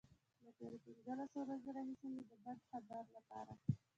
له تېرو پنځلسو ورځو راهيسې مې د بد خبر لپاره.